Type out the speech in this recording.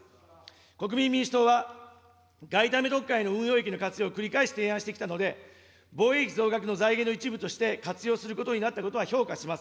国民民主党は外為特会の運用益の活用を繰り返し提案してきたので、防衛費増額の財源の一部として活用することになったことは評価します。